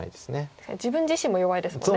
確かに自分自身も弱いですもんね。